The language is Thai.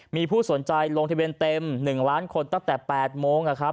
มีผู้สนใจลงทะเบียนเต็ม๑ล้านคนตั้งแต่๘โมงนะครับ